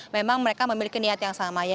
memang mereka memiliki niat yang sama ya